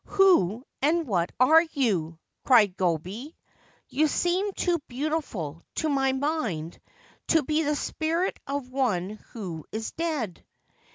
* Who and what are you ?' cried Gobei. ' You seem too beautiful, to my mind, to be the spirit of one who is dead.